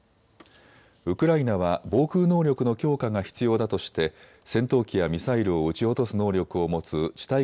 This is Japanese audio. ウクライナは防空能力の強化が必要だとして戦闘機やミサイルを撃ち落とす能力を持つ地